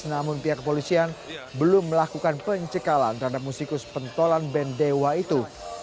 namun pihak kepolisian belum melakukan pencekalan terhadap musikus pentolan band dewa itu